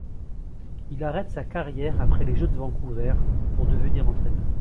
Il arrête sa carrière après les Jeux de Vancouver pour devenir entraîneur.